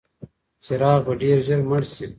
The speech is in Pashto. څراغ به ډېر ژر مړ شي.